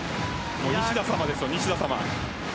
西田様ですよ、西田様。